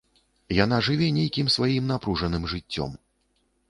Яна жыве нейкім сваім напружаным жыццём.